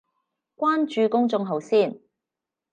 關注公眾號先